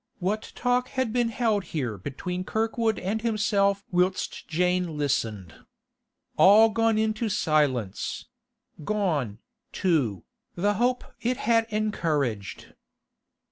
What talk had been held here between Kirkwood and himself whilst Jane listened! All gone into silence; gone, too, the hope it had encouraged.